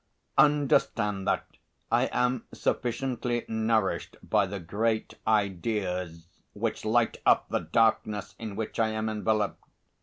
Understand that I am sufficiently nourished by the great ideas which light up the darkness in which I am enveloped.